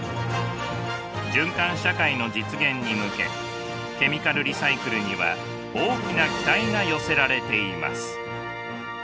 循環社会の実現に向けケミカルリサイクルには大きな期待が寄せられています。